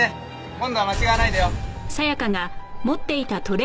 今度は間違わないでよ。